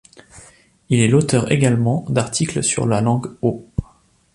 Il est l’auteur également d’article sur la langue Ho.